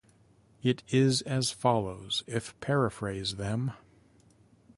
It is as follows if paraphrase them.